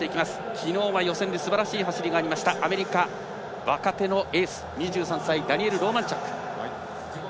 きのうは予選ですばらしい走りのあったアメリカ若手のエース、２３歳のローマンチャック。